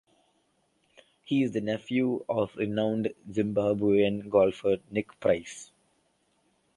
He is the nephew of the renowned Zimbabwean golfer Nick Price.